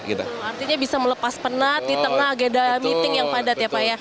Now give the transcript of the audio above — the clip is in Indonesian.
artinya bisa melepas penat di tengah agenda meeting yang padat ya pak ya